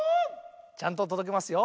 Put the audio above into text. ちゃんととどけますよ。